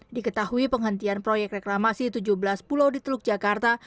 diketahui penghentian proyek reklamasi tujuh belas pulau di teluk jakarta